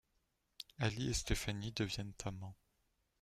Ali et Stéphanie deviennent amants.